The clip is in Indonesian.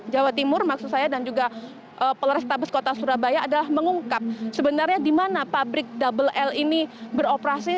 jawa timur maksud saya dan juga polrestabes kota surabaya adalah mengungkap sebenarnya di mana pabrik double l ini beroperasi